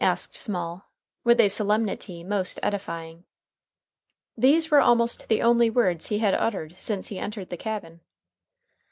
asked Small, with a solemnity most edifying. These were almost the only words he had uttered since he entered the cabin.